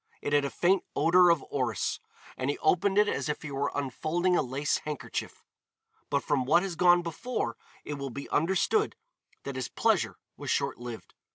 It had a faint odor of orris, and he opened it as were he unfolding a lace handkerchief. But from what has gone before it will be understood that his pleasure was short lived.